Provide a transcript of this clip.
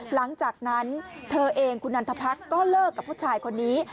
หลังจากนั้นเธอเองคุณนันทพรรคก็เลิกกับผู้ชายคนนี้